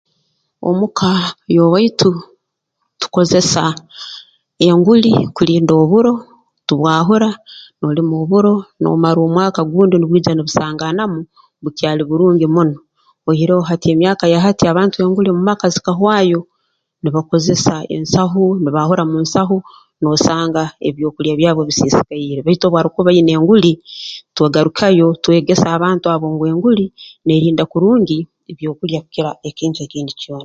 Omuka y'owaitu tukozesa enguli kulinda oburo tubwahura noolima oburo noomara omwaka gundi nubwija nubusangaanamu bukyali burungi muno oihire hati emyaka ya hati abantu enguli mu maka zikahwayo nibakozesa ensahu nibaahura mu nsaho noosanga ebyokulya byabo bisisikaire baitu obu arukuba aine enguli tugarukayo twegesa abantu abo ngu enguli neerinda kurungi ebyokulya kukira ekintu ekindi kyona